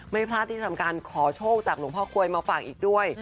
ไม่พลาดที่สำคัญขอโชคจากหลวงพ่อกลวยมาฝากอีกด้วย